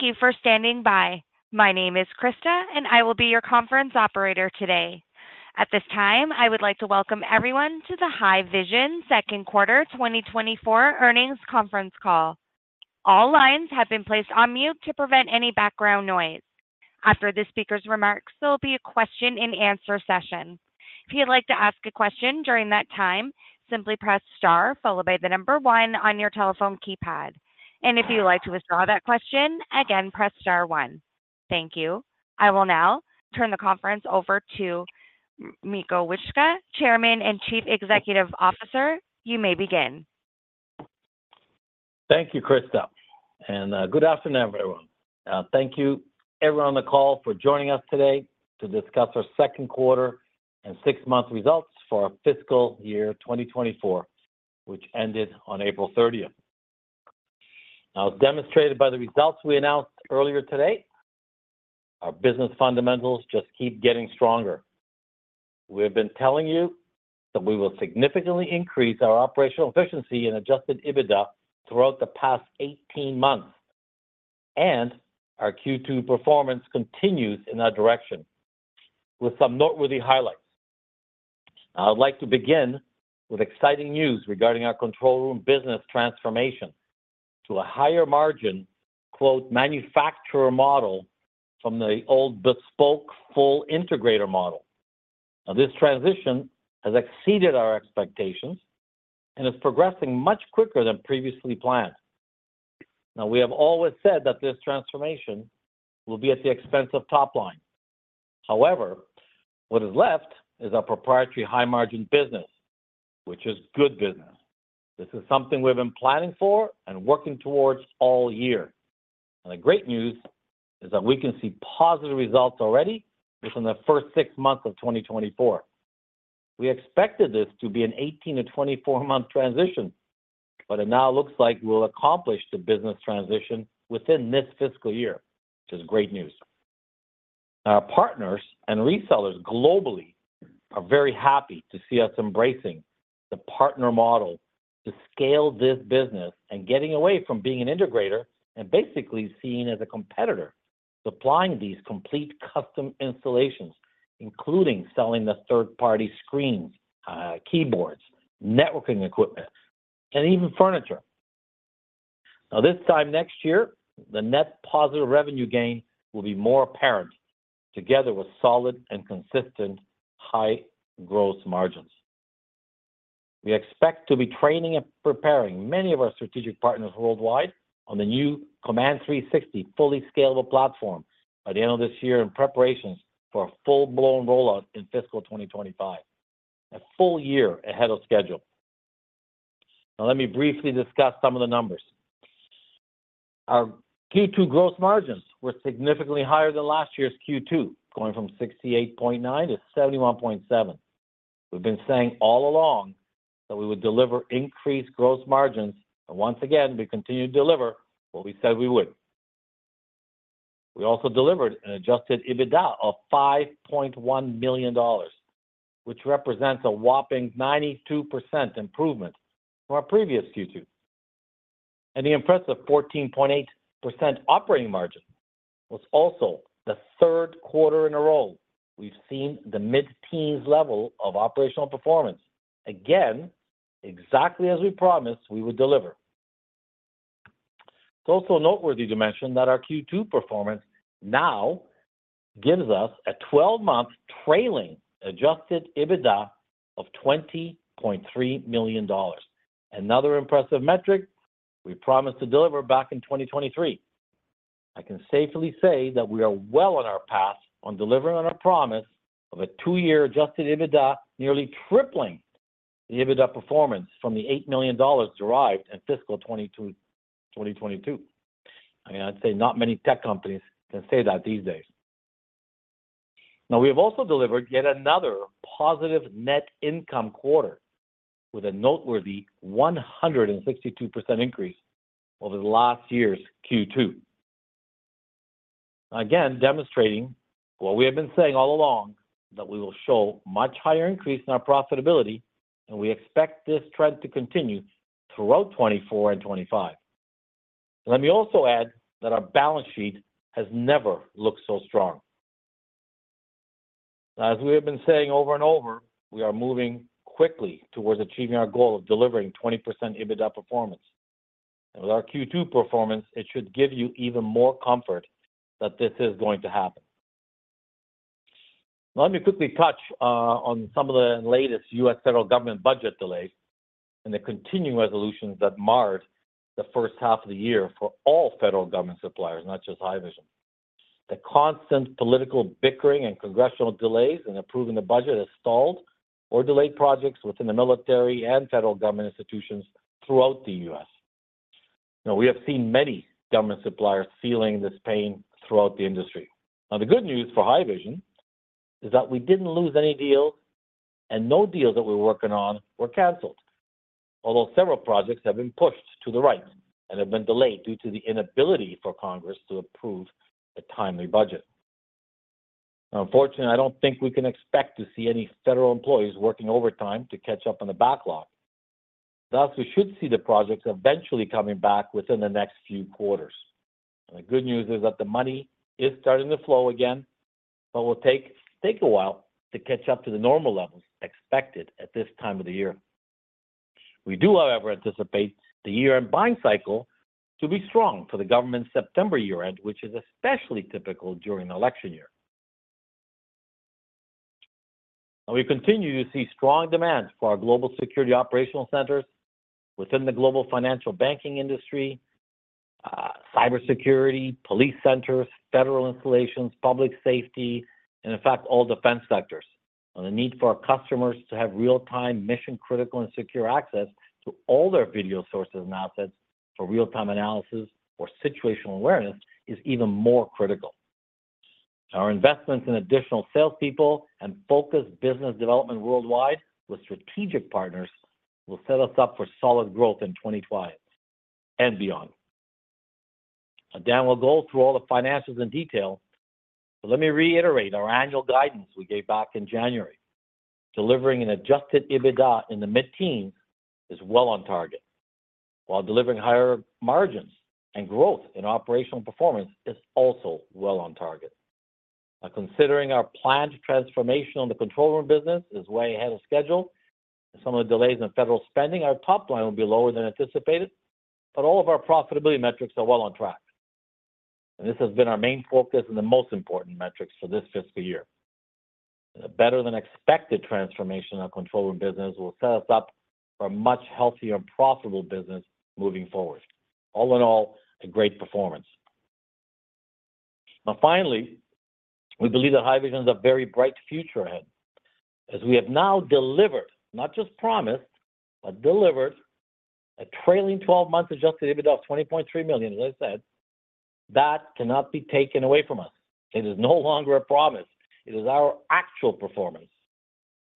Thank you for standing by. My name is Krista, and I will be your conference operator today. At this time, I would like to welcome everyone to the Haivision second quarter 2024 earnings conference call. All lines have been placed on mute to prevent any background noise. After the speaker's remarks, there will be a question and answer session. If you'd like to ask a question during that time, simply press star followed by the number one on your telephone keypad. If you'd like to withdraw that question, again, press star 1. Thank you. I will now turn the conference over to Mirko Wicha, Chairman and Chief Executive Officer. You may begin. Thank you, Krista, and good afternoon, everyone. Thank you everyone on the call for joining us today to discuss our second quarter and six-month results for our fiscal year 2024, which ended on April 30th. Now, as demonstrated by the results we announced earlier today, our business fundamentals just keep getting stronger. We have been telling you that we will significantly increase our operational efficiency and Adjusted EBITDA throughout the past 18 months, and our Q2 performance continues in that direction with some noteworthy highlights. I would like to begin with exciting news regarding our control room business transformation to a higher margin, quote, "manufacturer model" from the old bespoke full integrator model. Now, this transition has exceeded our expectations and is progressing much quicker than previously planned. Now, we have always said that this transformation will be at the expense of top line. However, what is left is our proprietary high-margin business, which is good business. This is something we've been planning for and working towards all year, and the great news is that we can see positive results already within the first six months of 2024. We expected this to be an 18- to 24-month transition, but it now looks like we'll accomplish the business transition within this fiscal year, which is great news. Our partners and resellers globally are very happy to see us embracing the partner model to scale this business and getting away from being an integrator and basically seen as a competitor, supplying these complete custom installations, including selling the third-party screens, keyboards, networking equipment, and even furniture. Now, this time next year, the net positive revenue gain will be more apparent, together with solid and consistent high gross margins. We expect to be training and preparing many of our strategic partners worldwide on the new Command 360 fully scalable platform by the end of this year in preparations for a full-blown rollout in fiscal 2025, a full year ahead of schedule. Now, let me briefly discuss some of the numbers. Our Q2 gross margins were significantly higher than last year's Q2, going from 68.9% to 71.7%. We've been saying all along that we would deliver increased gross margins, and once again, we continued to deliver what we said we would. We also delivered an adjusted EBITDA of $5.1 million, which represents a whopping 92% improvement from our previous Q2. And the impressive 14.8% operating margin was also the third quarter in a row we've seen the mid-teens level of operational performance. Again, exactly as we promised we would deliver. It's also noteworthy to mention that our Q2 performance now gives us a twelve-month trailing Adjusted EBITDA of $20.3 million. Another impressive metric we promised to deliver back in 2023. I can safely say that we are well on our path on delivering on our promise of a two-year Adjusted EBITDA, nearly tripling the EBITDA performance from the $8 million derived in fiscal 2022. I mean, I'd say not many tech companies can say that these days. Now, we have also delivered yet another positive net income quarter with a noteworthy 162% increase over last year's Q2. Again, demonstrating what we have been saying all along, that we will show much higher increase in our profitability, and we expect this trend to continue throughout 2024 and 2025. Let me also add that our balance sheet has never looked so strong. As we have been saying over and over, we are moving quickly towards achieving our goal of delivering 20% EBITDA performance. And with our Q2 performance, it should give you even more comfort that this is going to happen. Now, let me quickly touch on some of the latest U.S. federal government budget delays and the continuing resolutions that marred the first half of the year for all federal government suppliers, not just Haivision. The constant political bickering and congressional delays in approving the budget has stalled or delayed projects within the military and federal government institutions throughout the U.S. Now, we have seen many government suppliers feeling this pain throughout the industry. Now, the good news for Haivision is that we didn't lose any deals, and no deals that we were working on were canceled, although several projects have been pushed to the right and have been delayed due to the inability for Congress to approve a timely budget. Unfortunately, I don't think we can expect to see any federal employees working overtime to catch up on the backlog. Thus, we should see the projects eventually coming back within the next few quarters. And the good news is that the money is starting to flow again, but will take a while to catch up to the normal levels expected at this time of the year. We do, however, anticipate the year-end buying cycle to be strong for the government's September year-end, which is especially typical during an election year. We continue to see strong demand for our global security operational centers within the global financial banking industry, cybersecurity, police centers, federal installations, public safety, and in fact, all defense sectors. And the need for our customers to have real-time, mission-critical, and secure access to all their video sources and assets for real-time analysis or situational awareness is even more critical. Our investments in additional salespeople and focused business development worldwide with strategic partners will set us up for solid growth in 2025 and beyond. And Dan will go through all the financials in detail, but let me reiterate our annual guidance we gave back in January. Delivering an adjusted EBITDA in the mid-teen is well on target, while delivering higher margins and growth in operational performance is also well on target. Now, considering our planned transformation on the control room business is way ahead of schedule, some of the delays in federal spending, our top line will be lower than anticipated, but all of our profitability metrics are well on track. This has been our main focus and the most important metrics for this fiscal year. A better than expected transformation of control room business will set us up for a much healthier and profitable business moving forward. All in all, a great performance. Now, finally, we believe that Haivision has a very bright future ahead, as we have now delivered, not just promised, but delivered a trailing 12-month Adjusted EBITDA of $20.3 million, as I said. That cannot be taken away from us. It is no longer a promise. It is our actual performance.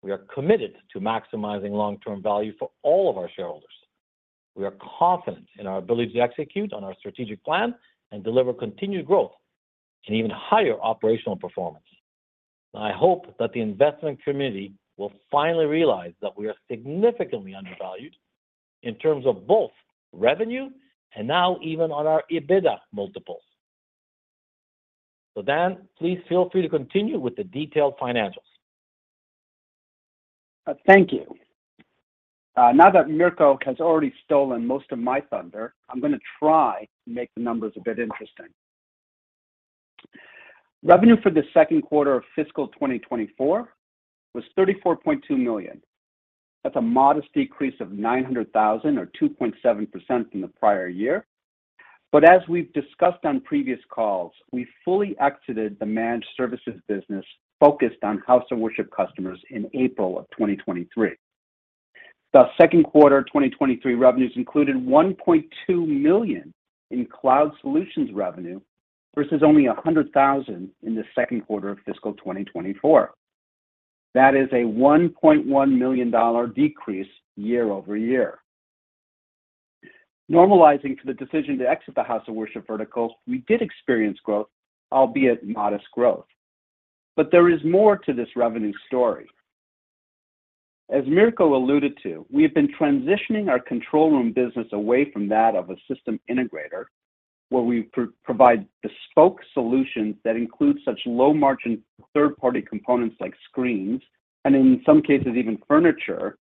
We are committed to maximizing long-term value for all of our shareholders. We are confident in our ability to execute on our strategic plan and deliver continued growth and even higher operational performance. I hope that the investment community will finally realize that we are significantly undervalued in terms of both revenue and now even on our EBITDA multiples. Dan, please feel free to continue with the detailed financials. Thank you. Now that Mirko has already stolen most of my thunder, I'm gonna try to make the numbers a bit interesting. Revenue for the second quarter of fiscal 2024 was $34.2 million. That's a modest decrease of $900,000 or 2.7% from the prior year. But as we've discussed on previous calls, we fully exited the managed services business focused on house of worship customers in April 2023. The second quarter of 2023 revenues included $1.2 million in cloud solutions revenue, versus only $100,000 in the second quarter of fiscal 2024. That is a $1.1 million decrease year-over-year. Normalizing to the decision to exit the house of worship vertical, we did experience growth, albeit modest growth. But there is more to this revenue story. As Mirko alluded to, we have been transitioning our control room business away from that of a system integrator, where we provide bespoke solutions that include such low-margin third-party components like screens, and in some cases, even furniture,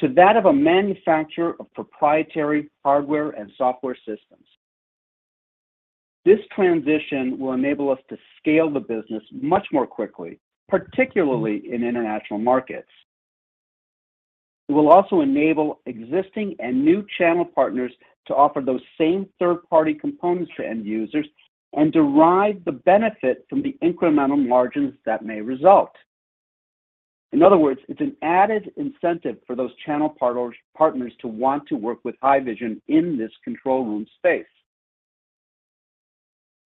to that of a manufacturer of proprietary hardware and software systems. This transition will enable us to scale the business much more quickly, particularly in international markets. It will also enable existing and new channel partners to offer those same third-party components to end users and derive the benefit from the incremental margins that may result. In other words, it's an added incentive for those channel partners to want to work with Haivision in this control room space.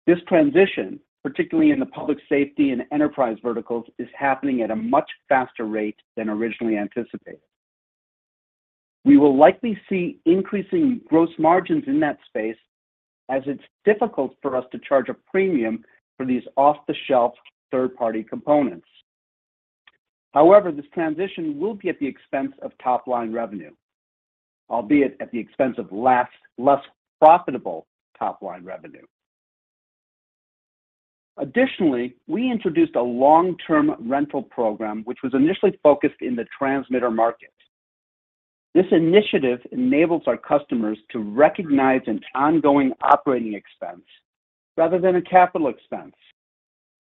This transition, particularly in the public safety and enterprise verticals, is happening at a much faster rate than originally anticipated. We will likely see increasing gross margins in that space as it's difficult for us to charge a premium for these off-the-shelf third-party components. However, this transition will be at the expense of top-line revenue, albeit at the expense of less profitable top-line revenue. Additionally, we introduced a long-term rental program, which was initially focused in the transmitter market. This initiative enables our customers to recognize an ongoing operating expense rather than a capital expense.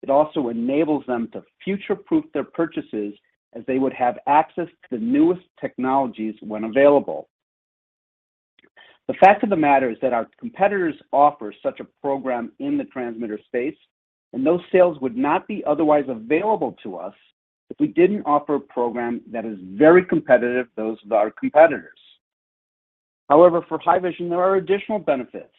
It also enables them to future-proof their purchases as they would have access to the newest technologies when available. The fact of the matter is that our competitors offer such a program in the transmitter space, and those sales would not be otherwise available to us if we didn't offer a program that is very competitive to those of our competitors. However, for Haivision, there are additional benefits.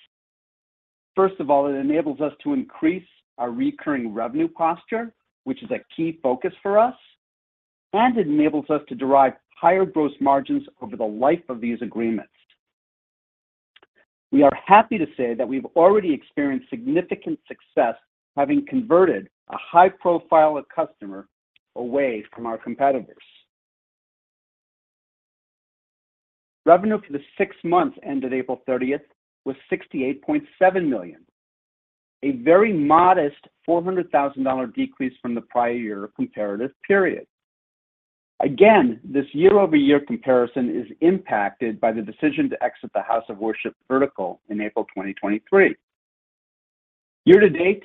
First of all, it enables us to increase our recurring revenue posture, which is a key focus for us, and it enables us to derive higher gross margins over the life of these agreements. We are happy to say that we've already experienced significant success, having converted a high-profile customer away from our competitors. Revenue for the six months ended April 30 was $68.7 million, a very modest $400,000 decrease from the prior year comparative period. Again, this year-over-year comparison is impacted by the decision to exit the house of worship vertical in April 2023. Year to date,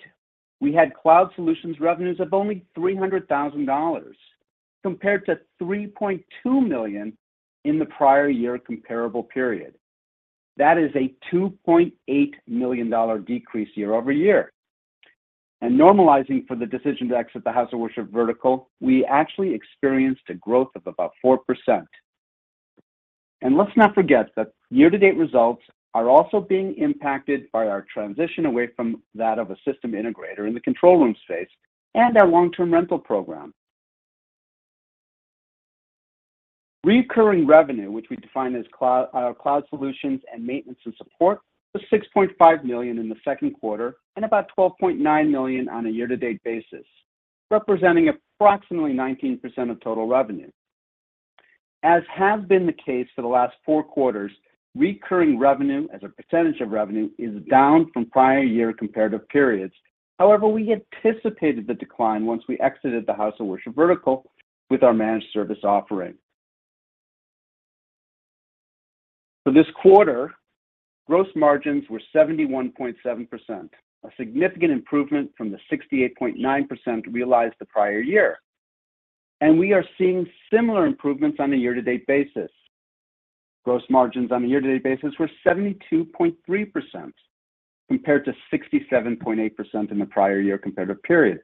we had cloud solutions revenues of only $300,000, compared to $3.2 million in the prior year comparable period. That is a $2.8 million decrease year over year. Normalizing for the decision to exit the house of worship vertical, we actually experienced a growth of about 4%. Let's not forget that year-to-date results are also being impacted by our transition away from that of a system integrator in the control room space and our long-term rental program. Recurring revenue, which we define as cloud solutions and maintenance and support, was $6.5 million in the second quarter and about $12.9 million on a year-to-date basis, representing approximately 19% of total revenue. As has been the case for the last four quarters, recurring revenue as a percentage of revenue is down from prior year comparative periods. However, we anticipated the decline once we exited the house of worship vertical with our managed service offering. For this quarter, gross margins were 71.7%, a significant improvement from the 68.9% realized the prior year, and we are seeing similar improvements on a year-to-date basis. Gross margins on a year-to-date basis were 72.3%, compared to 67.8% in the prior year comparative period.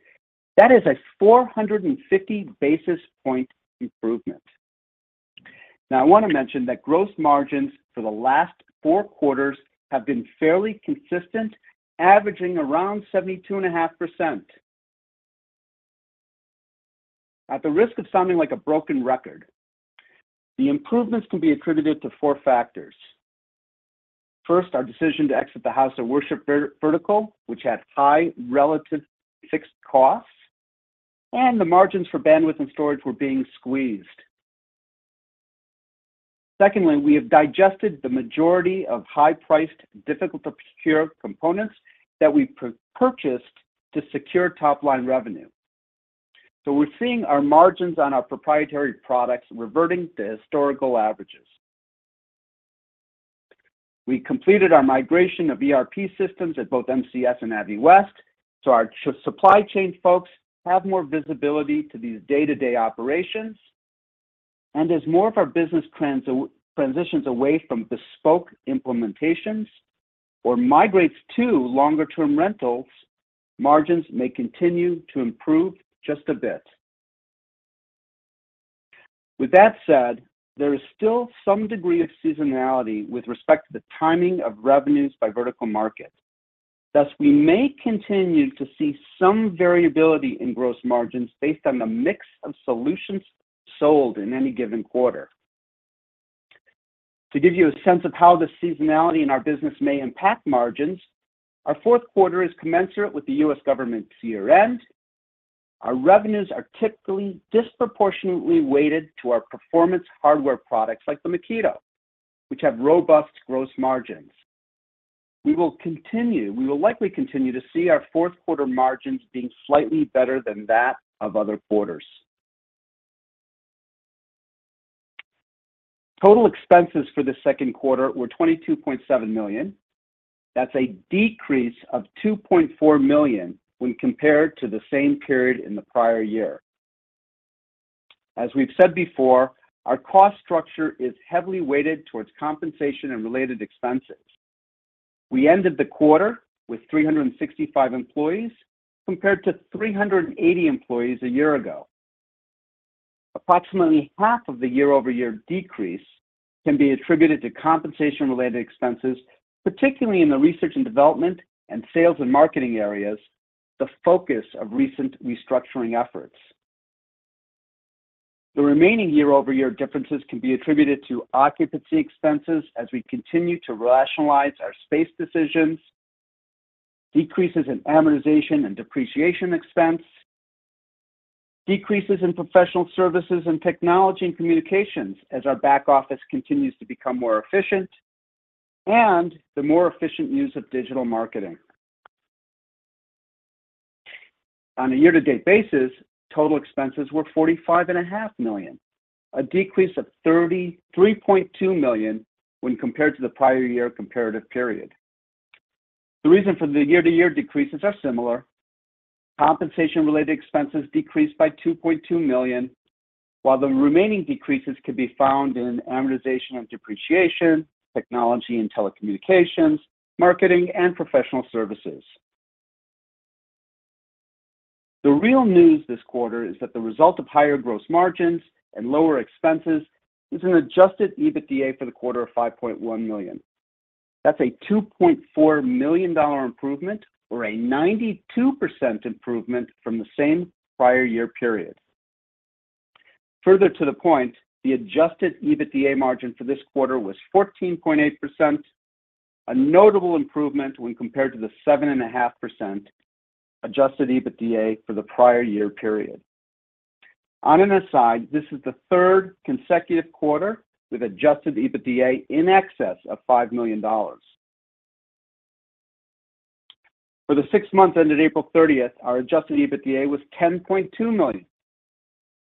That is a 450 basis point improvement. Now, I want to mention that gross margins for the last four quarters have been fairly consistent, averaging around 72.5%. At the risk of sounding like a broken record, the improvements can be attributed to four factors. First, our decision to exit the house of worship vertical, which had high relative fixed costs, and the margins for bandwidth and storage were being squeezed. Secondly, we have digested the majority of high-priced, difficult-to-secure components that we purchased to secure top-line revenue. So we're seeing our margins on our proprietary products reverting to historical averages. We completed our migration of ERP systems at both MCS and Aviwest, so our supply chain folks have more visibility to these day-to-day operations. And as more of our business transitions away from bespoke implementations or migrates to longer-term rentals, margins may continue to improve just a bit. With that said, there is still some degree of seasonality with respect to the timing of revenues by vertical market. Thus, we may continue to see some variability in gross margins based on the mix of solutions sold in any given quarter. To give you a sense of how the seasonality in our business may impact margins, our fourth quarter is commensurate with the U.S. government's year-end. Our revenues are typically disproportionately weighted to our performance hardware products like the Makito, which have robust gross margins. We will continue... We will likely continue to see our fourth quarter margins being slightly better than that of other quarters. Total expenses for the second quarter were $22.7 million. That's a decrease of $2.4 million when compared to the same period in the prior year. As we've said before, our cost structure is heavily weighted towards compensation and related expenses. We ended the quarter with 365 employees, compared to 380 employees a year ago. Approximately half of the year-over-year decrease can be attributed to compensation-related expenses, particularly in the research and development and sales and marketing areas, the focus of recent restructuring efforts. The remaining year-over-year differences can be attributed to occupancy expenses as we continue to rationalize our space decisions, decreases in amortization and depreciation expense, decreases in professional services and technology and communications as our back office continues to become more efficient, and the more efficient use of digital marketing. On a year-to-date basis, total expenses were $45.5 million, a decrease of $33.2 million when compared to the prior year comparative period. The reason for the year-over-year decreases are similar. Compensation-related expenses decreased by $2.2 million, while the remaining decreases can be found in amortization and depreciation, technology and telecommunications, marketing, and professional services. The real news this quarter is that the result of higher gross margins and lower expenses is an Adjusted EBITDA for the quarter of $5.1 million. That's a $2.4 million improvement or a 92% improvement from the same prior year period. Further to the point, the adjusted EBITDA margin for this quarter was 14.8%, a notable improvement when compared to the 7.5% adjusted EBITDA for the prior year period. On an aside, this is the third consecutive quarter with adjusted EBITDA in excess of $5 million. For the six months ended April 30th, our adjusted EBITDA was $10.2 million.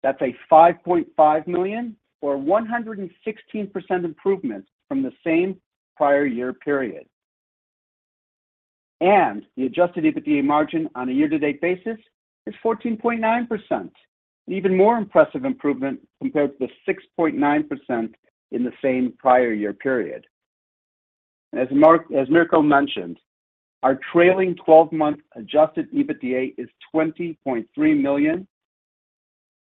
That's a $5.5 million, or 116% improvement from the same prior year period. And the adjusted EBITDA margin on a year-to-date basis is 14.9%. An even more impressive improvement compared to the 6.9% in the same prior year period. As Mirko mentioned, our trailing twelve-month adjusted EBITDA is $20.3 million,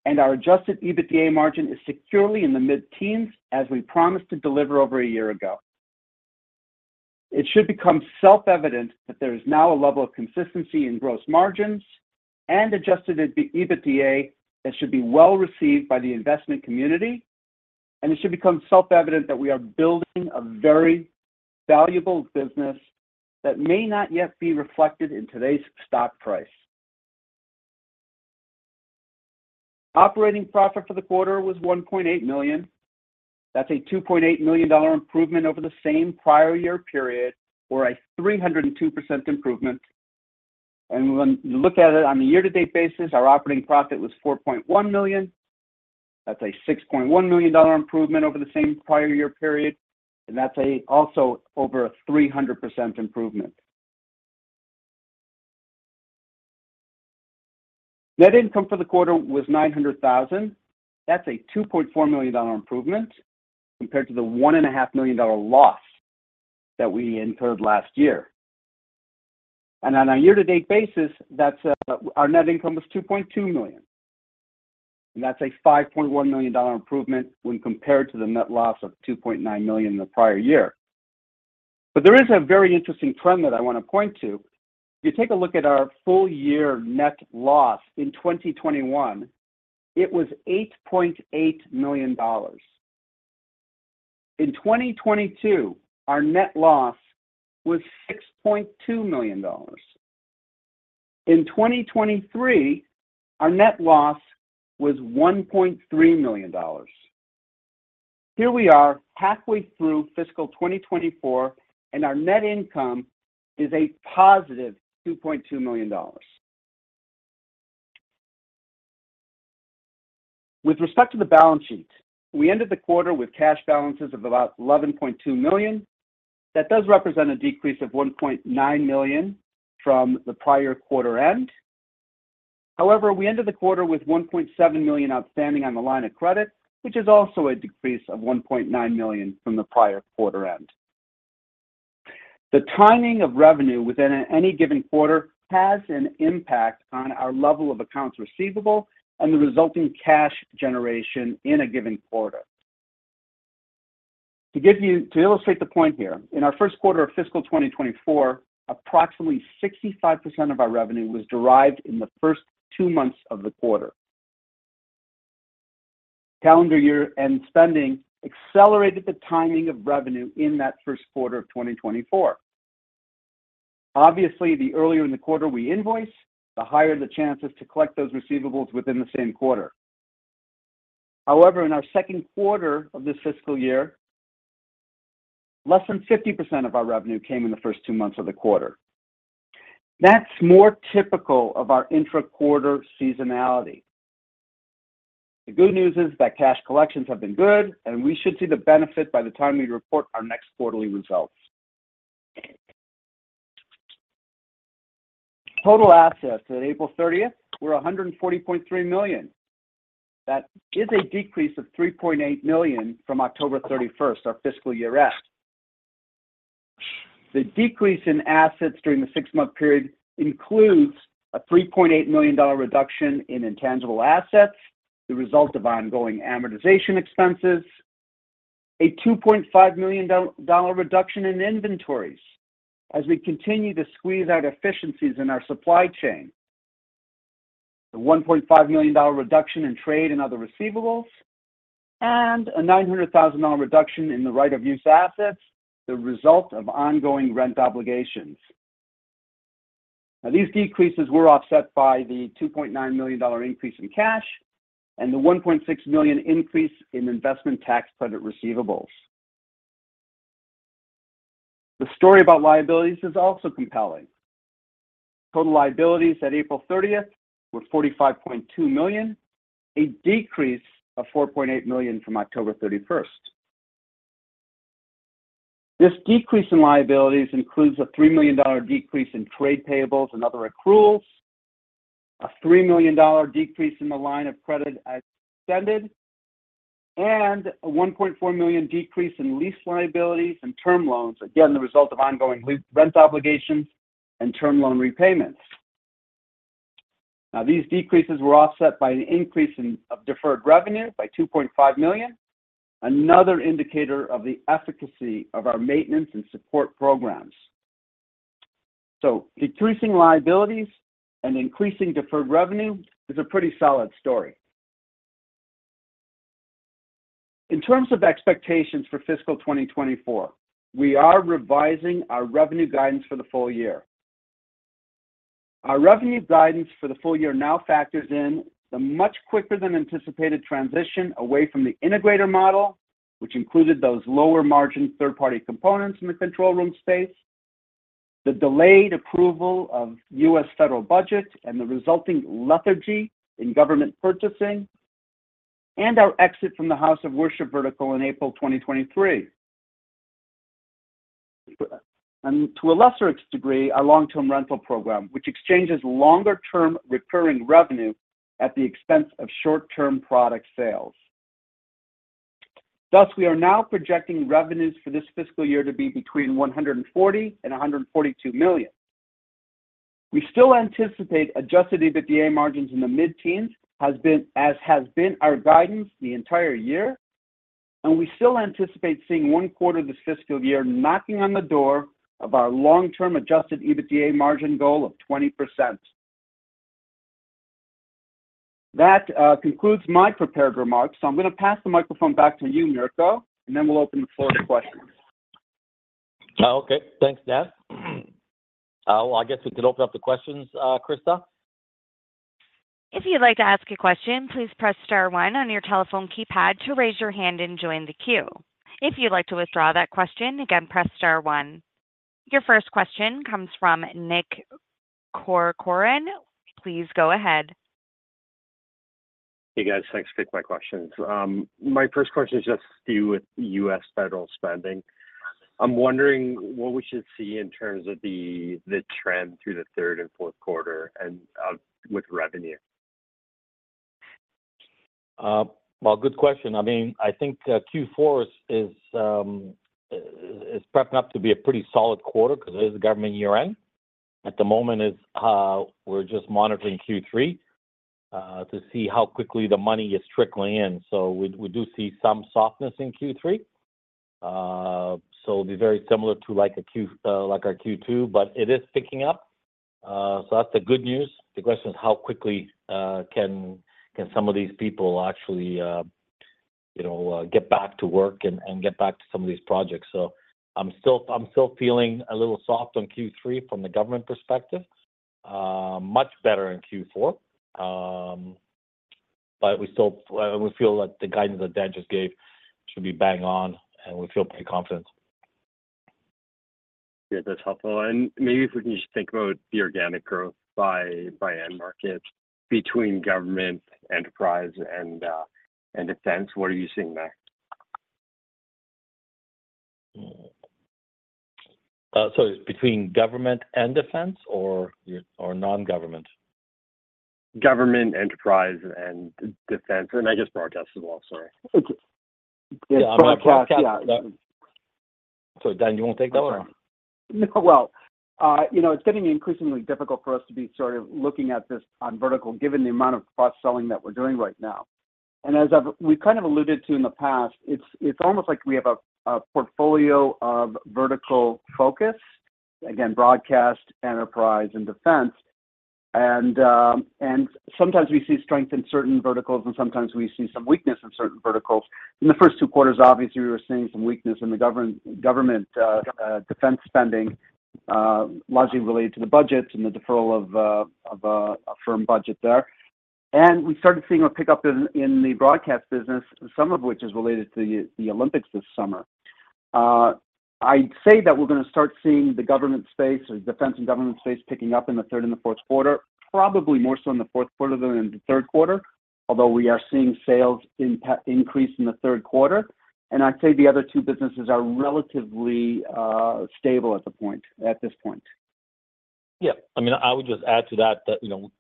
and our adjusted EBITDA margin is securely in the mid-teens, as we promised to deliver over a year ago. It should become self-evident that there is now a level of consistency in gross margins and adjusted EBITDA, that should be well-received by the investment community, and it should become self-evident that we are building a very valuable business that may not yet be reflected in today's stock price. Operating profit for the quarter was $1.8 million. That's a $2.8 million improvement over the same prior year period, or a 302% improvement. When you look at it on a year-to-date basis, our operating profit was $4.1 million. That's a $6.1 million improvement over the same prior year period, and that's also over a 300% improvement. Net income for the quarter was $900,000. That's a $2.4 million improvement compared to the $1.5 million loss that we incurred last year. On a year-to-date basis, that's our net income was $2.2 million, and that's a $5.1 million improvement when compared to the net loss of $2.9 million in the prior year. But there is a very interesting trend that I want to point to. If you take a look at our full-year net loss in 2021, it was $8.8 million. In 2022, our net loss was $6.2 million. In 2023, our net loss was $1.3 million. Here we are, halfway through fiscal 2024, and our net income is a positive $2.2 million. With respect to the balance sheet, we ended the quarter with cash balances of about $11.2 million. That does represent a decrease of $1.9 million from the prior quarter end. However, we ended the quarter with $1.7 million outstanding on the line of credit, which is also a decrease of $1.9 million from the prior quarter end. The timing of revenue within any given quarter has an impact on our level of accounts receivable and the resulting cash generation in a given quarter. To illustrate the point here, in our first quarter of fiscal 2024, approximately 65% of our revenue was derived in the first two months of the quarter. Calendar year-end spending accelerated the timing of revenue in that first quarter of 2024. Obviously, the earlier in the quarter we invoice, the higher the chances to collect those receivables within the same quarter. However, in our second quarter of this fiscal year, less than 50% of our revenue came in the first two months of the quarter. That's more typical of our intra-quarter seasonality. The good news is that cash collections have been good, and we should see the benefit by the time we report our next quarterly results. Total assets at April 30th were $140.3 million. That is a decrease of $3.8 million from October thirty-first, our fiscal year end. The decrease in assets during the six-month period includes a $3.8 million dollar reduction in intangible assets, the result of ongoing amortization expenses, a $2.5 million dollar reduction in inventories as we continue to squeeze out efficiencies in our supply chain, a $1.5 million dollar reduction in trade and other receivables, and a $900,000 dollar reduction in the right of use assets, the result of ongoing rent obligations. Now, these decreases were offset by the $2.9 million dollar increase in cash and the $1.6 million increase in investment tax credit receivables. The story about liabilities is also compelling. Total liabilities at April thirtieth were $45.2 million, a decrease of $4.8 million from October thirty-first. This decrease in liabilities includes a $3 million decrease in trade payables and other accruals, a $3 million decrease in the line of credit as extended, and a $1.4 million decrease in lease liabilities and term loans, again, the result of ongoing lease and rent obligations and term loan repayments. Now, these decreases were offset by an increase in, of deferred revenue by $2.5 million, another indicator of the efficacy of our maintenance and support programs. So decreasing liabilities and increasing deferred revenue is a pretty solid story. In terms of expectations for fiscal 2024, we are revising our revenue guidance for the full year. Our revenue guidance for the full year now factors in the much quicker than anticipated transition away from the integrator model, which included those lower margin third-party components in the control room space, the delayed approval of U.S. federal budget and the resulting lethargy in government purchasing, and our exit from the house of worship vertical in April 2023. To a lesser degree, our long-term rental program, which exchanges longer term recurring revenue at the expense of short-term product sales. Thus, we are now projecting revenues for this fiscal year to be between $140 million and $142 million. We still anticipate adjusted EBITDA margins in the mid-teens, as has been our guidance the entire year, and we still anticipate seeing one quarter of this fiscal year knocking on the door of our long-term adjusted EBITDA margin goal of 20%. That concludes my prepared remarks, so I'm gonna pass the microphone back to you, Mirko, and then we'll open the floor to questions. Okay. Thanks, Dan. Well, I guess we could open up the questions, Krista. If you'd like to ask a question, please press star one on your telephone keypad to raise your hand and join the queue. If you'd like to withdraw that question, again, press star one. Your first question comes from Nick Corcoran. Please go ahead. Hey, guys. Thanks for taking my questions. My first question is just to do with U.S. federal spending. I'm wondering what we should see in terms of the trend through the third and fourth quarter and with revenue. Well, good question. I mean, I think Q4 is prepping up to be a pretty solid quarter because it is a government year-end. At the moment, we're just monitoring Q3 to see how quickly the money is trickling in. So we do see some softness in Q3. So it'll be very similar to like a Q, like our Q2, but it is picking up. So that's the good news. The question is: how quickly can some of these people actually you know get back to work and get back to some of these projects? So I'm still feeling a little soft on Q3 from the government perspective. Much better in Q4. But we still, we feel like the guidance that Dan just gave should be bang on, and we feel pretty confident. Yeah, that's helpful. And maybe if we can just think about the organic growth by end market, between government, enterprise, and defense. What are you seeing there? Sorry, between government and defense or your, or non-government? Government, enterprise, and defense, and I guess broadcast as well, sorry. Yeah, broadcast. Yeah. So, Dan, you want to take that one? No, well, you know, it's getting increasingly difficult for us to be sort of looking at this on vertical, given the amount of cross-selling that we're doing right now. And as I've, we've kind of alluded to in the past, it's almost like we have a portfolio of vertical focus, again, broadcast, enterprise, and defense. And sometimes we see strength in certain verticals, and sometimes we see some weakness in certain verticals. In the first two quarters, obviously, we were seeing some weakness in the government defense spending, largely related to the budgets and the deferral of a firm budget there. And we started seeing a pickup in the broadcast business, some of which is related to the Olympics this summer. I'd say that we're gonna start seeing the government space or defense and government space picking up in the third and the fourth quarter, probably more so in the fourth quarter than in the third quarter, although we are seeing sales increase in the third quarter. I'd say the other two businesses are relatively stable at this point. Yeah. I mean, I would just add to that, that, you know,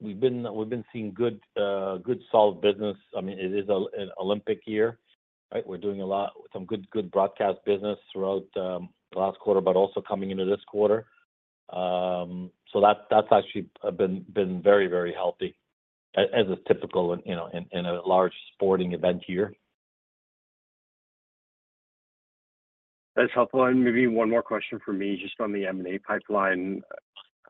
we've been, we've been seeing good, good, solid business. I mean, it is an Olympic year, right? We're doing a lot, some good, good broadcast business throughout the last quarter, but also coming into this quarter. So that, that's actually been, been very, very healthy as a typical, you know, in a large sporting event year. That's helpful. And maybe one more question for me, just on the M&A pipeline.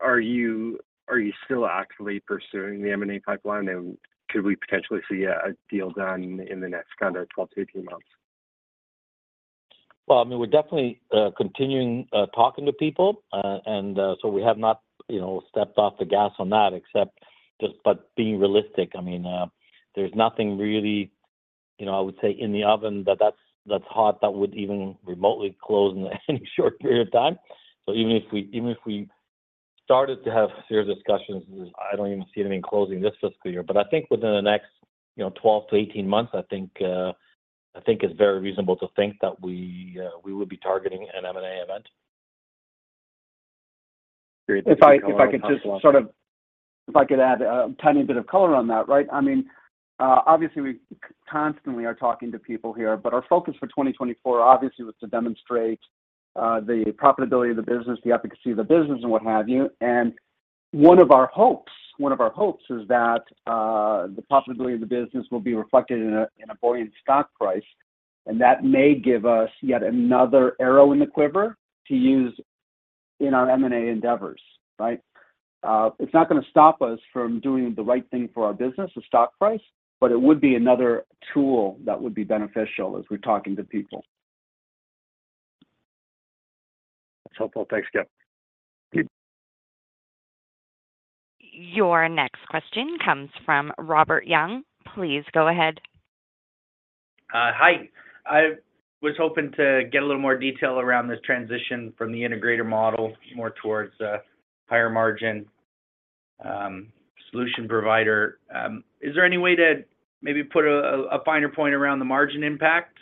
Are you, are you still actively pursuing the M&A pipeline? And could we potentially see a, a deal done in the next kind of 12-18 months? Well, I mean, we're definitely continuing talking to people. And so we have not, you know, stepped off the gas on that, except just but being realistic. I mean, there's nothing really, you know, I would say, in the oven, that's hot, that would even remotely close in any short period of time. So even if we even if we started to have serious discussions, I don't even see anything closing this fiscal year. But I think within the next, you know, 12 to 18 months, I think it's very reasonable to think that we would be targeting an M&A event. If I could just sort of add a tiny bit of color on that, right? I mean, obviously, we constantly are talking to people here, but our focus for 2024 obviously was to demonstrate the profitability of the business, the efficacy of the business and what have you, and- ...One of our hopes, one of our hopes is that, the profitability of the business will be reflected in a, in a buoyant stock price, and that may give us yet another arrow in the quiver to use in our M&A endeavors, right? It's not gonna stop us from doing the right thing for our business, the stock price, but it would be another tool that would be beneficial as we're talking to people. That's helpful. Thanks, guys. Your next question comes from Robert Young. Please go ahead. Hi. I was hoping to get a little more detail around this transition from the integrator model, more towards higher margin solution provider. Is there any way to maybe put a finer point around the margin impact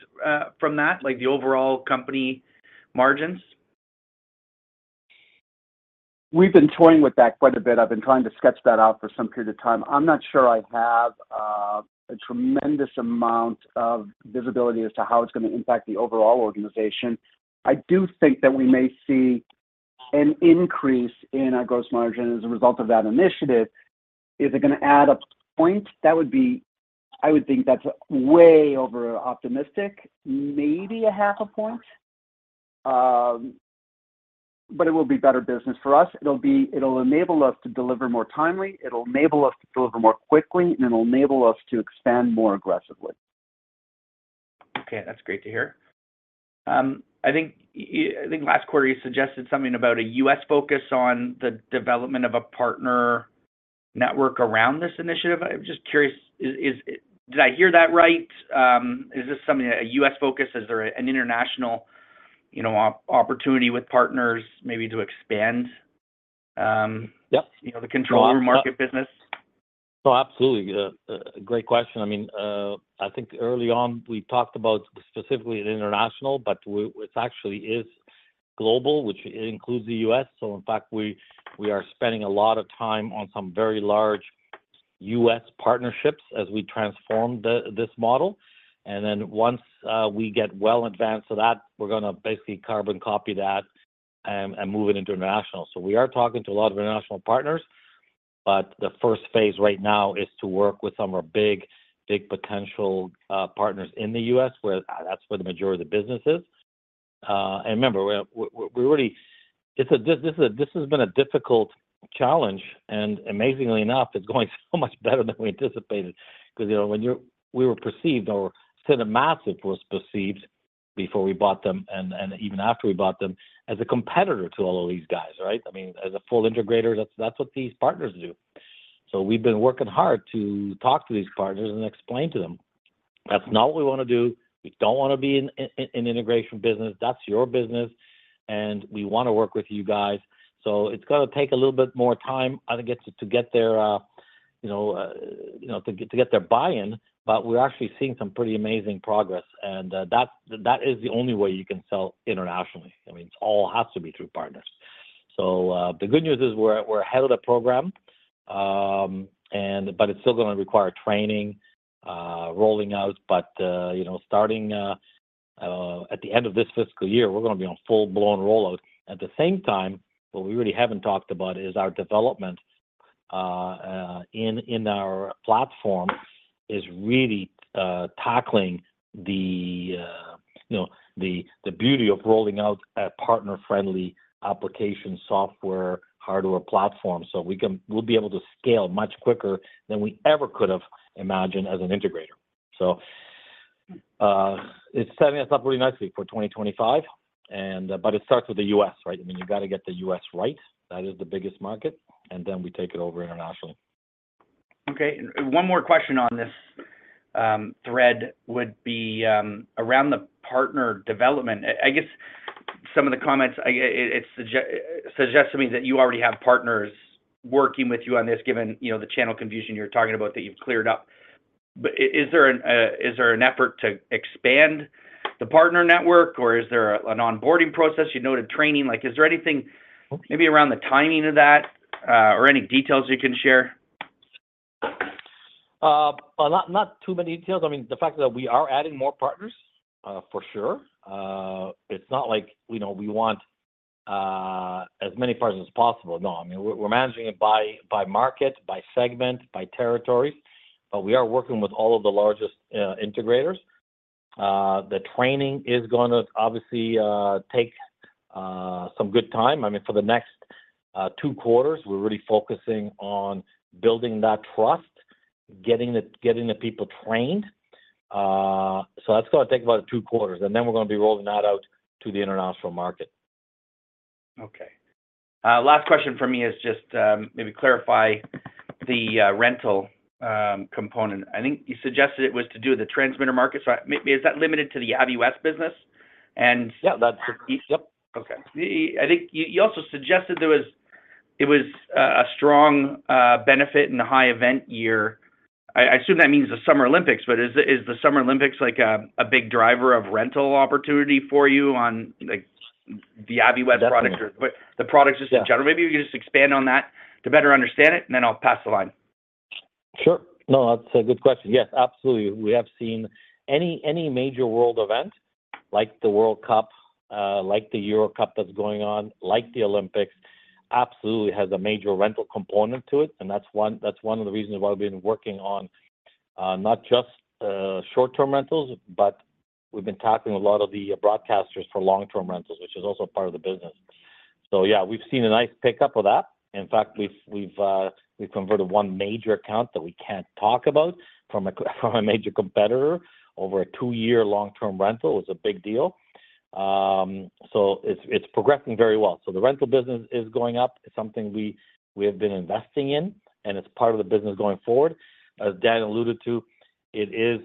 from that, like the overall company margins? We've been toying with that quite a bit. I've been trying to sketch that out for some period of time. I'm not sure I have a tremendous amount of visibility as to how it's gonna impact the overall organization. I do think that we may see an increase in our gross margin as a result of that initiative. Is it gonna add up points? That would be- I would think that's way over optimistic, maybe a half a point. But it will be better business for us. It'll be- it'll enable us to deliver more timely, it'll enable us to deliver more quickly, and it'll enable us to expand more aggressively. Okay, that's great to hear. I think last quarter you suggested something about a U.S. focus on the development of a partner network around this initiative. I'm just curious, did I hear that right? Is this something, a U.S. focus? Is there an international, you know, opportunity with partners maybe to expand? Yep... you know, the control room market business? No, absolutely. A great question. I mean, I think early on we talked about specifically in international, but which actually is global, which includes the U.S. So in fact, we are spending a lot of time on some very large U.S. partnerships as we transform the this model. And then once we get well advanced to that, we're gonna basically carbon copy that and move it international. So we are talking to a lot of international partners, but the first phase right now is to work with some of our big big potential partners in the U.S., where that's where the majority of the business is. And remember, we're already. This has been a difficult challenge, and amazingly enough, it's going so much better than we anticipated. 'Cause, you know, we were perceived, or CineMassive was perceived, before we bought them and even after we bought them, as a competitor to all of these guys, right? I mean, as a full integrator, that's what these partners do. So we've been working hard to talk to these partners and explain to them, "That's not what we wanna do. We don't wanna be in integration business. That's your business, and we wanna work with you guys." So it's gonna take a little bit more time, I think, to get their buy-in, but we're actually seeing some pretty amazing progress. And that is the only way you can sell internationally. I mean, it's all has to be through partners. So, the good news is we're, we're ahead of the program, and but it's still gonna require training, rolling out. But, you know, starting at the end of this fiscal year, we're gonna be on full-blown rollout. At the same time, what we really haven't talked about is our development in our platform is really tackling the, you know, the beauty of rolling out a partner-friendly application, software, hardware platform. So we can- we'll be able to scale much quicker than we ever could have imagined as an integrator. So, it's setting us up really nicely for 2025, and, but it starts with the U.S., right? I mean, you gotta get the U.S. right. That is the biggest market, and then we take it over internationally. Okay. One more question on this thread would be around the partner development. I guess some of the comments, it suggests to me that you already have partners working with you on this, given, you know, the channel confusion you're talking about that you've cleared up. But is there an effort to expand the partner network, or is there an onboarding process? You noted training. Like, is there anything maybe around the timing of that, or any details you can share? A lot, not too many details. I mean, the fact that we are adding more partners, for sure. It's not like, you know, we want, as many partners as possible. No. I mean, we're managing it by market, by segment, by territory, but we are working with all of the largest integrators. The training is gonna obviously take some good time. I mean, for the next two quarters, we're really focusing on building that trust, getting the people trained. So that's gonna take about two quarters, and then we're gonna be rolling that out to the international market. Okay. Last question for me is just, maybe clarify the rental component. I think you suggested it was to do with the transmitter market. So maybe is that limited to the Aviwest business? And- Yeah, that's it. Yep. Okay. I think you, you also suggested there was- it was, a strong, benefit in a high event year. I, I assume that means the Summer Olympics, but is the, is the Summer Olympics like a, a big driver of rental opportunity for you on, like, the Aviwest products- Definitely... or the products just in general? Yeah. Maybe you can just expand on that to better understand it, and then I'll pass the line.... Sure. No, that's a good question. Yes, absolutely. We have seen any major world event, like the World Cup, like the Euro Cup that's going on, like the Olympics, absolutely has a major rental component to it, and that's one, that's one of the reasons why we've been working on, not just short-term rentals, but we've been talking a lot of the broadcasters for long-term rentals, which is also part of the business. So yeah, we've seen a nice pickup of that. In fact, we've converted one major account that we can't talk about from a major competitor over a two-year long-term rental. It's a big deal. So it's progressing very well. So the rental business is going up. It's something we have been investing in, and it's part of the business going forward. As Dan alluded to, it is,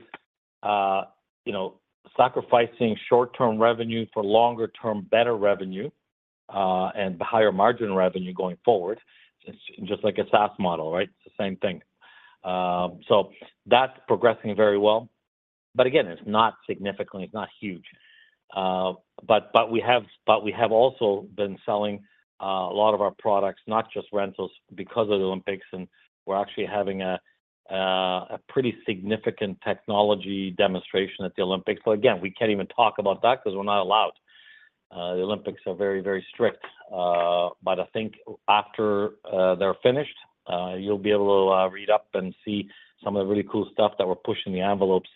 you know, sacrificing short-term revenue for longer-term, better revenue, and higher margin revenue going forward. It's just like a SaaS model, right? It's the same thing. So that's progressing very well. But again, it's not significant. It's not huge. But, but we have, but we have also been selling, a lot of our products, not just rentals, because of the Olympics, and we're actually having a, a pretty significant technology demonstration at the Olympics. But again, we can't even talk about that because we're not allowed. The Olympics are very, very strict. But I think after, they're finished, you'll be able to, read up and see some of the really cool stuff that we're pushing the envelopes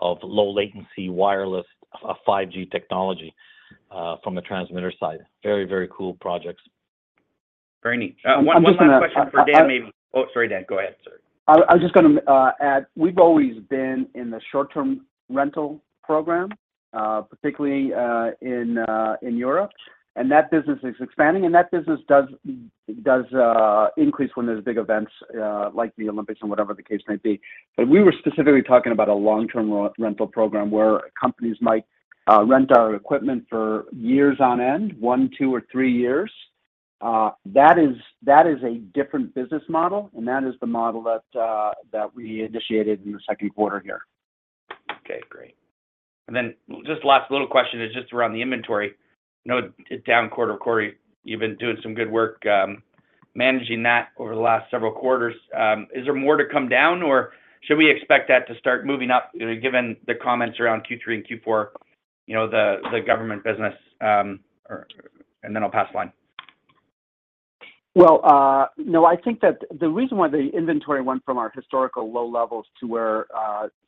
of low latency, wireless, 5G technology, from the transmitter side. Very, very cool projects. Very neat. I'm just- One, one last question for Dan, maybe. Oh, sorry, Dan. Go ahead, sir. I was just gonna add, we've always been in the short-term rental program, particularly in Europe, and that business is expanding, and that business does increase when there's big events, like the Olympics or whatever the case may be. But we were specifically talking about a long-term re-rental program where companies might rent our equipment for years on end, 1, 2, or 3 years. That is, that is a different business model, and that is the model that that we initiated in the second quarter here. Okay, great. And then just last little question is just around the inventory. I know it's down quarter-over-quarter. You've been doing some good work, managing that over the last several quarters. Is there more to come down, or should we expect that to start moving up, you know, given the comments around Q3 and Q4, you know, the government business, or... And then I'll pass the line. Well, no, I think that the reason why the inventory went from our historical low levels to where,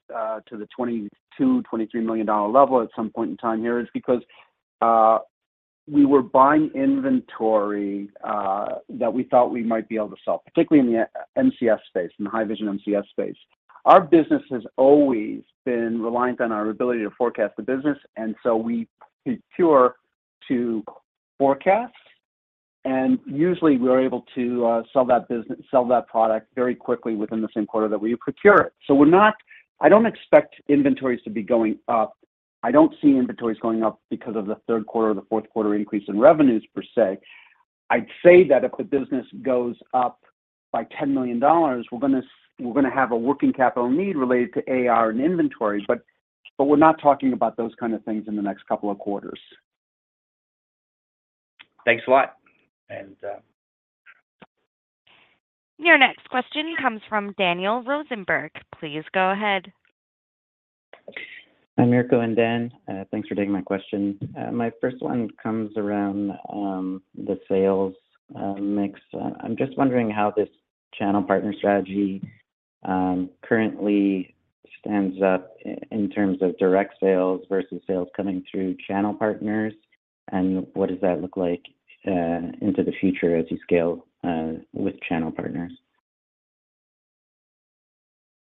to the $22-$23 million level at some point in time here, is because, we were buying inventory, that we thought we might be able to sell, particularly in the MCS space, in the Haivision MCS space. Our business has always been reliant on our ability to forecast the business, and so we procure to forecast, and usually we're able to, sell that business- sell that product very quickly within the same quarter that we procure it. So we're not-- I don't expect inventories to be going up. I don't see inventories going up because of the third quarter or the fourth quarter increase in revenues, per se. I'd say that if the business goes up by $10 million, we're gonna, we're gonna have a working capital need related to AR and inventory, but, but we're not talking about those kind of things in the next couple of quarters. Thanks a lot. And, Your next question comes from Daniel Rosenberg. Please go ahead. Hi, Mirko and Dan. Thanks for taking my question. My first one comes around the sales mix. I'm just wondering how this channel partner strategy currently stands up in terms of direct sales versus sales coming through channel partners, and what does that look like into the future as you scale with channel partners?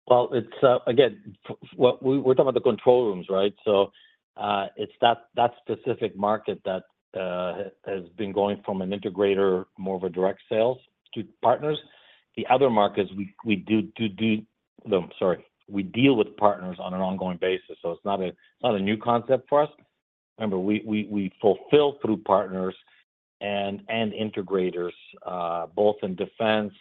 Well, it's, again, we're talking about the control rooms, right? So, it's that specific market that has been going from an integrator, more of a direct sales to partners. The other markets we do. Sorry, we deal with partners on an ongoing basis, so it's not a new concept for us. Remember, we fulfill through partners and integrators, both in defense,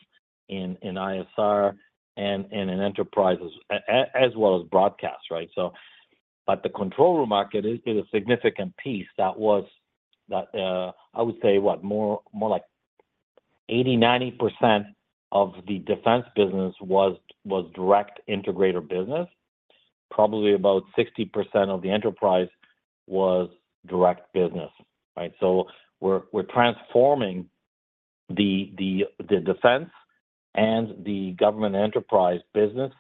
in ISR, and in enterprises, as well as broadcast, right? So, but the control room market is a significant piece that was, I would say, what? More like 80%-90% of the defense business was direct integrator business. Probably about 60% of the enterprise was direct business, right? So we're transforming the defense and the government enterprise business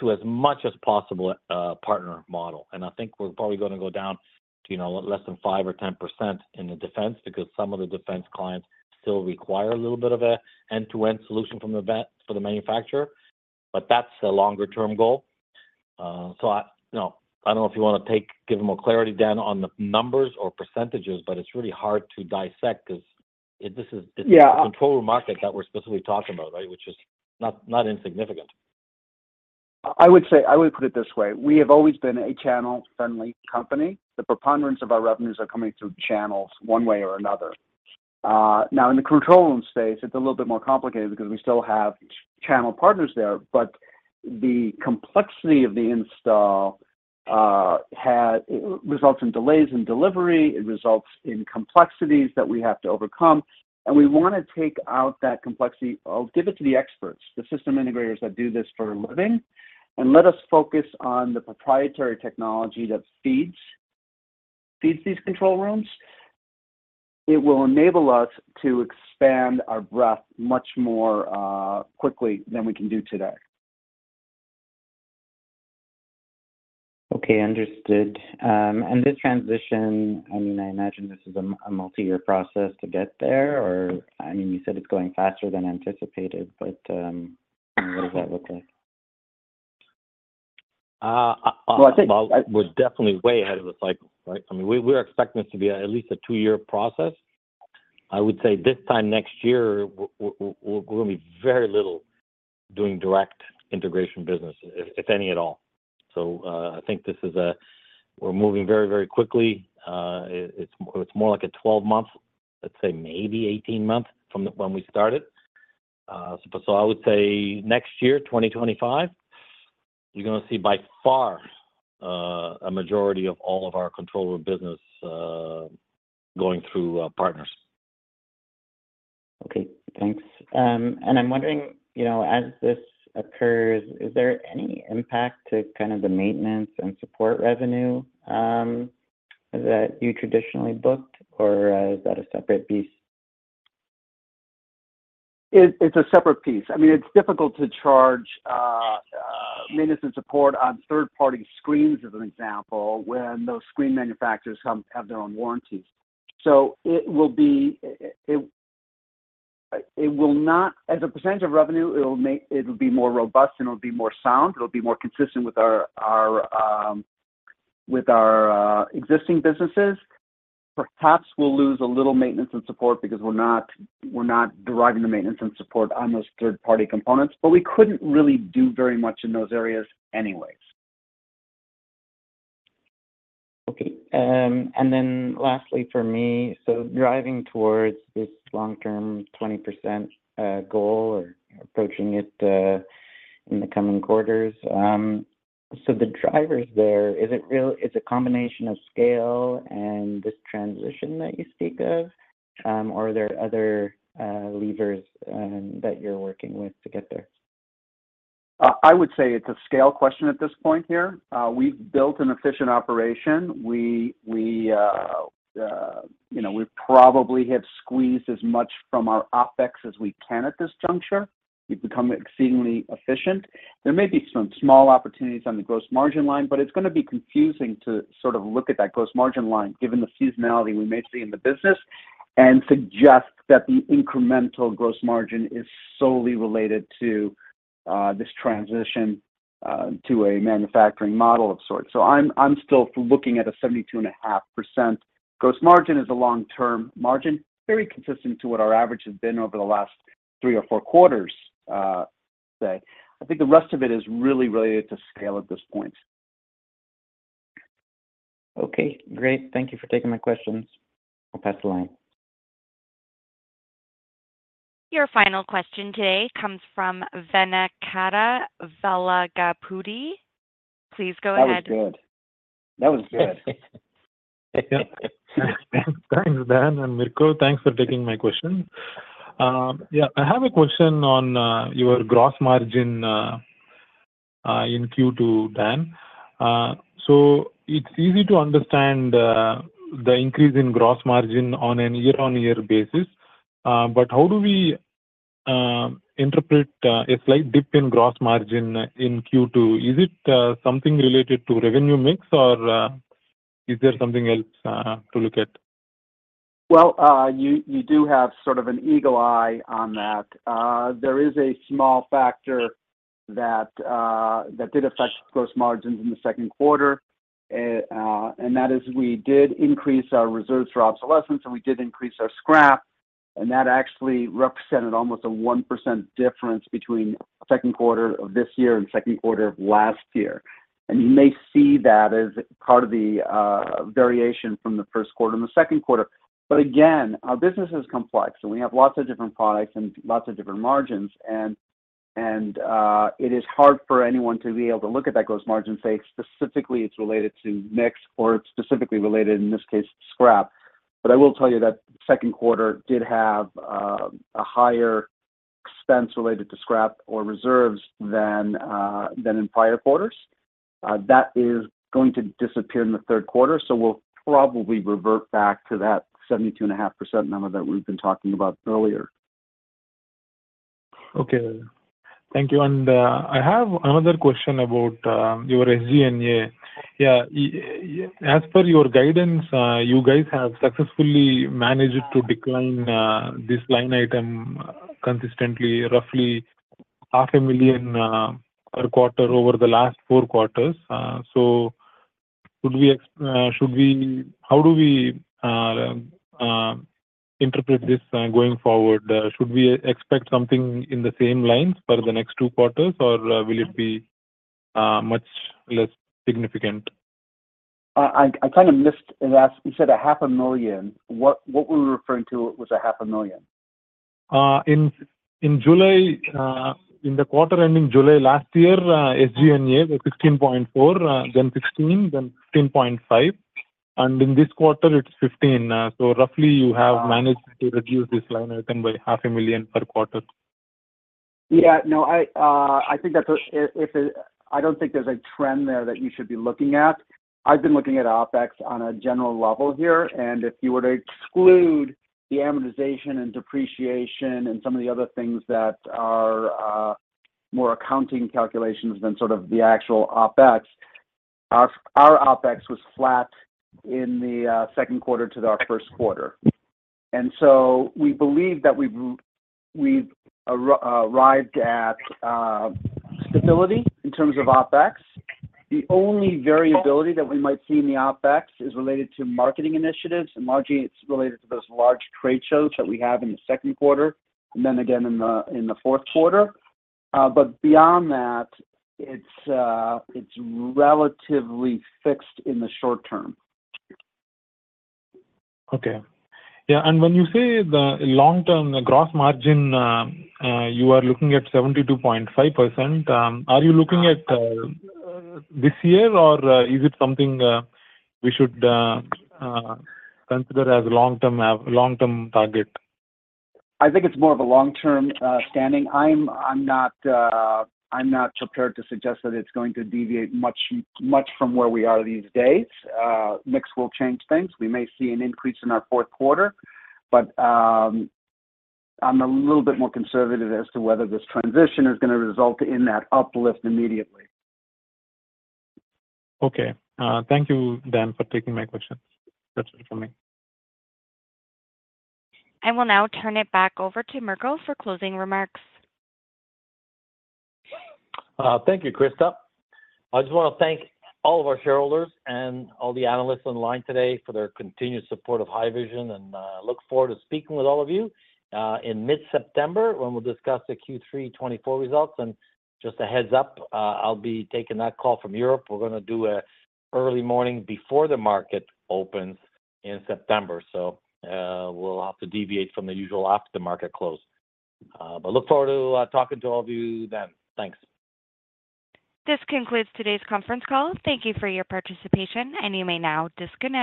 to as much as possible, partner model. And I think we're probably gonna go down to, you know, less than 5 or 10% in the defense, because some of the defense clients still require a little bit of an end-to-end solution from the manufacturer, but that's the longer term goal. So I... You know, I don't know if you wanna give more clarity, Dan, on the numbers or percentages, but it's really hard to dissect 'cause this is- Yeah... the control market that we're specifically talking about, right? Which is not, not insignificant. I would say, I would put it this way: We have always been a channel-friendly company. The preponderance of our revenues are coming through channels, one way or another. Now, in the control room space, it's a little bit more complicated because we still have channel partners there, but the complexity, it results in delays in delivery, it results in complexities that we have to overcome, and we want to take out that complexity. I'll give it to the experts, the system integrators that do this for a living, and let us focus on the proprietary technology that feeds these control rooms. It will enable us to expand our breadth much more quickly than we can do today. Okay, understood. And this transition, I mean, I imagine this is a multi-year process to get there, or, I mean, you said it's going faster than anticipated, but, what does that look like? Well, I think we're definitely way ahead of the cycle, right? I mean, we're expecting this to be at least a two-year process. I would say this time next year, we're going to be very little doing direct integration business, if any, at all. So, I think this is a... We're moving very, very quickly. It's more like a 12-month, let's say maybe 18 months from when we started. So, I would say next year, 2025, you're gonna see by far a majority of all of our control room business going through partners. Okay, thanks. I'm wondering, you know, as this occurs, is there any impact to kind of the maintenance and support revenue that you traditionally booked, or is that a separate piece? It's a separate piece. I mean, it's difficult to charge maintenance and support on third-party screens, as an example, when those screen manufacturers have their own warranties. So it will not—as a percentage of revenue, it'll be more robust, and it'll be more sound, it'll be more consistent with our existing businesses. Perhaps we'll lose a little maintenance and support because we're not deriving the maintenance and support on those third-party components, but we couldn't really do very much in those areas anyways. Okay, and then lastly, for me, so driving towards this long-term 20% goal or approaching it in the coming quarters, so the drivers there, is it a combination of scale and this transition that you speak of, or are there other levers that you're working with to get there? I would say it's a scale question at this point here. We've built an efficient operation. You know, we probably have squeezed as much from our OpEx as we can at this juncture. We've become exceedingly efficient. There may be some small opportunities on the gross margin line, but it's gonna be confusing to sort of look at that gross margin line, given the seasonality we may see in the business, and suggest that the incremental gross margin is solely related to this transition to a manufacturing model of sorts. So I'm still looking at a 72.5% gross margin as a long-term margin, very consistent to what our average has been over the last three or four quarters. I think the rest of it is really related to scale at this point. Okay, great. Thank you for taking my questions. I'll pass the line. Your final question today comes from Venkata Velagapudi. Please go ahead. That was good. That was good. Thanks, Dan and Mirko. Thanks for taking my question. Yeah, I have a question on your gross margin in Q2, Dan. So it's easy to understand the increase in gross margin on a year-on-year basis, but how do we interpret a slight dip in gross margin in Q2? Is it something related to revenue mix, or is there something else to look at? Well, you do have sort of an eagle eye on that. There is a small factor that did affect gross margins in the second quarter, and that is we did increase our reserves for obsolescence, and we did increase our scrap, and that actually represented almost a 1% difference between second quarter of this year and second quarter of last year. And you may see that as part of the variation from the first quarter and the second quarter. But again, our business is complex, and we have lots of different products and lots of different margins, and it is hard for anyone to be able to look at that gross margin and say, specifically, it's related to mix, or it's specifically related, in this case, scrap. I will tell you that second quarter did have a higher expense related to scrap or reserves than in prior quarters. That is going to disappear in the third quarter, so we'll probably revert back to that 72.5% number that we've been talking about earlier. Okay, thank you. I have another question about your SG&A. Yeah, as per your guidance, you guys have successfully managed to decline this line item consistently, roughly $500,000 per quarter over the last four quarters. So, how do we interpret this going forward? Should we expect something in the same lines for the next two quarters, or will it be much less significant?... I kind of missed it as you said $500,000. What we're referring to was $500,000? In July, in the quarter ending July last year, SG&A was $16.4 million, then $16 million, then $16.5 million, and in this quarter it's $15 million. So roughly you have managed to reduce this line item by $0.5 million per quarter. Yeah. No, I think that's. I don't think there's a trend there that you should be looking at. I've been looking at OpEx on a general level here, and if you were to exclude the amortization and depreciation and some of the other things that are more accounting calculations than sort of the actual OpEx, our OpEx was flat in the second quarter to our first quarter. So we believe that we've arrived at stability in terms of OpEx. The only variability that we might see in the OpEx is related to marketing initiatives, and largely it's related to those large trade shows that we have in the second quarter, and then again in the fourth quarter. But beyond that, it's relatively fixed in the short term. Okay. Yeah, and when you say the long-term gross margin, you are looking at 72.5%, are you looking at this year or is it something we should consider as long-term long-term target? I think it's more of a long-term standing. I'm not prepared to suggest that it's going to deviate much from where we are these days. Mix will change things. We may see an increase in our fourth quarter, but I'm a little bit more conservative as to whether this transition is gonna result in that uplift immediately. Okay. Thank you, Dan, for taking my questions. That's it for me. I will now turn it back over to Mirko Wicha for closing remarks. Thank you, Krista. I just wanna thank all of our shareholders and all the analysts online today for their continued support of Haivision, and look forward to speaking with all of you in mid-September when we'll discuss the Q3 2024 results. And just a heads up, I'll be taking that call from Europe. We're gonna do a early morning before the market opens in September, so we'll have to deviate from the usual after the market close. But look forward to talking to all of you then. Thanks. This concludes today's conference call. Thank you for your participation, and you may now disconnect.